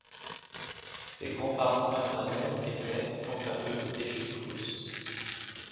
Ses grands-parents maternels étaient, quant à eux, des juifs russes.